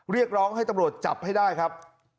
เรียกร้องให้ตำรวจจับให้ได้ครับ